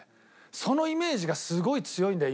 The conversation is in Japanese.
そのイメージがすごい強いんだよ